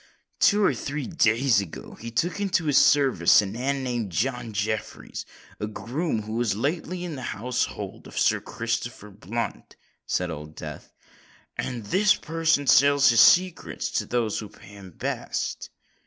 "Two or three days ago he took into his service a man named John Jeffreys—a groom who was lately in the household of a certain Sir Christopher Blunt," said Old Death; "and this person sells his secrets to those who pay him best."